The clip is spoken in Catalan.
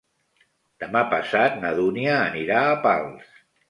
Demà passat na Dúnia anirà a Pals.